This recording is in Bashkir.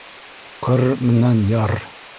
ҠР МЕНӘН ЯР